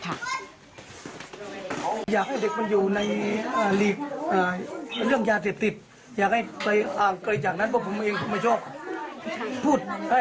จากปราศาบันอาจจะเป็นโจรก็ได้เมื่อควรแต่ผมเลิกไป